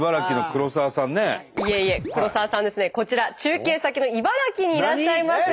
黒沢さんですねこちら中継先の茨城にいらっしゃいます。